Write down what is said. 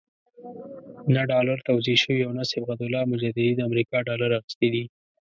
نه ډالر توزیع شوي او نه صبغت الله مجددي د امریکا ډالر اخیستي دي.